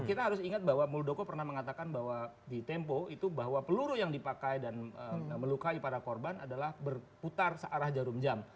kita harus ingat bahwa muldoko pernah mengatakan bahwa di tempo itu bahwa peluru yang dipakai dan melukai para korban adalah berputar searah jarum jam